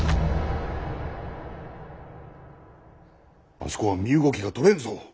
あそこは身動きがとれんぞ。